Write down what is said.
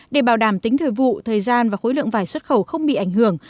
để bảo đảm tính thời vụ thời gian và khối lượng vải xuất khẩu không bị ảnh hưởng